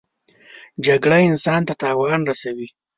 جګړه انسان ته تاوان رسوي